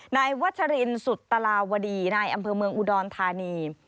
นายวัชรินสุตราวดีนายอำเภอเมืองอุดรธานี